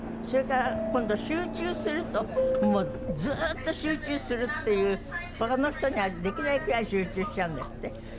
それから今度集中するともうずっと集中するっていう他の人にはできないくらい集中しちゃうんですって？